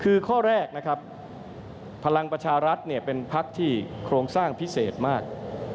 ก็คือข้อแรกพรหลังประชารัฐเป็นภักดิ์ที่โครงสร้างพิเศษมาก